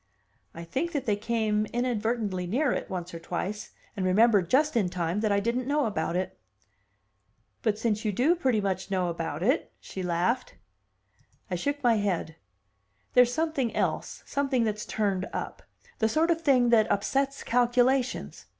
"I think that they came inadvertently near it, once or twice, and remembered just in time that I didn't know about it." "But since you do know pretty much about it!" she laughed. I shook my head. "There's something else, something that's turned up; the sort of thing that upsets calculations.